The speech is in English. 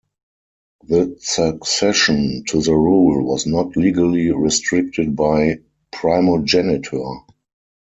The succession to the rule was not legally restricted by primogeniture.